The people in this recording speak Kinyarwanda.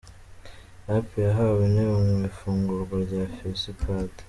Rape yahawe intebe mu ifungurwa rya Fesipade